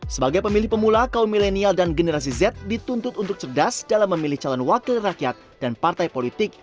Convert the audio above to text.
sebagai pemilih pemula kaum milenial dan generasi z dituntut untuk cerdas dalam memilih calon wakil rakyat dan partai politik